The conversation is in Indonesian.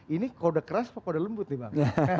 ini kode keras apa kode lembut nih bang